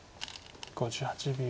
５８秒。